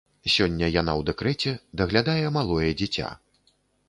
Сёння яна ў дэкрэце, даглядае малое дзіця.